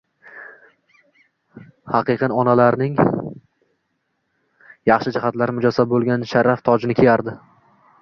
haqiqin onalarning yaxshi jihatlari mujassam bo'lgan sharaf tojini kiyardi.